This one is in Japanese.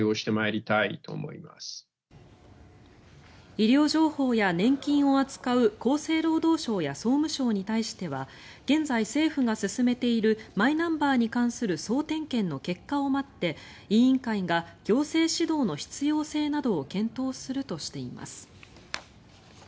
医療情報や年金を扱う厚生労働省や総務省に対しては現在、政府が進めているマイナンバーに関する総点検の結果を待って委員会が行政指導の必要性などを検討するとしています。